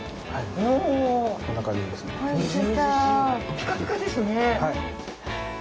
ピカピカですね。